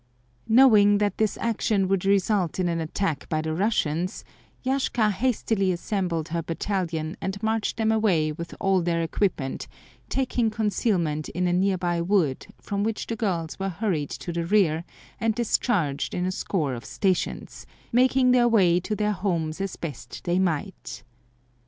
Knowing that this action would result in an attack by the Russians, Yashka hastily assembled her Battalion and marched them away with all their equipment, taking concealment in a nearby wood from which the girls were hurried to the rear and discharged in a score of stations, making their way to their homes as best they might.